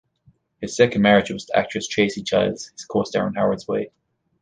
His second marriage was to actress Tracey Childs, his co-star in Howards' Way.